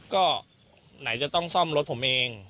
ก็ไหนจะต้องซ่อมรถผมเอง